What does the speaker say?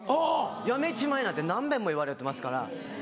やめちまえなんて何遍も言われてますから。